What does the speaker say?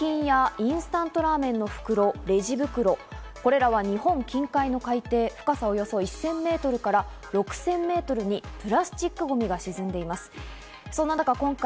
マネキンやインスタントラーメンの袋、レジ袋、これらは日本近海の海底、深さおよそ１０００メートルから６０００メートルにプラスチックゴミが沈んでいます。